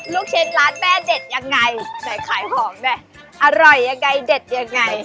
ลูกชิ้นร้านแม่เด็ดยังไงไหนขายของเนี่ยอร่อยยังไงเด็ดยังไง